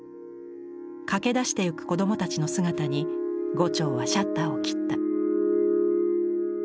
駆けだしてゆく子どもたちの姿に牛腸はシャッターを切った。